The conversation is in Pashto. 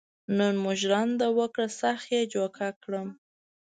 نن مو ژرنده وکړه سخت یې جوکه کړم.